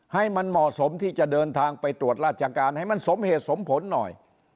ให้มันเหมาะสมที่จะเดินทางไปตรวจราชการให้มันสมเหตุสมผลหน่อย